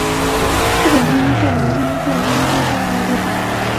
日本寄居蟹为寄居蟹科寄居蟹属下的一个种。